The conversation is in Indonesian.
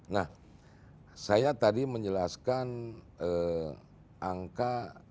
nah saya tadi menjelaskan angka dua ribu delapan belas dua ribu sembilan belas